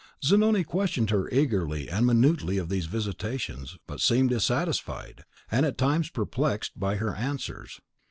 Zanoni questioned her eagerly and minutely of these visitations, but seemed dissatisfied, and at times perplexed, by her answers.